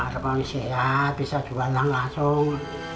semangat sehat bisa jual langsung